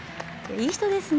いい人ですね。